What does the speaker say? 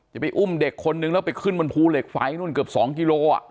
จะไปอุ้มเด็กคนนึงแล้วไปขึ้นบนภูเหล็กไฟนู่นเกือบ๒กิโล